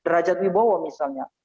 rajadwi bawa misalnya